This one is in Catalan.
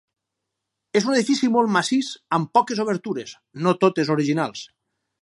És un edifici molt massís amb poques obertures, no totes originals.